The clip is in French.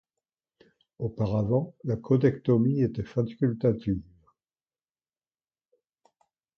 Auparavant la caudectomie était facultative.